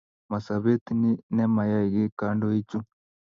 Ma sobeet ni ne mayai ki kandoik chu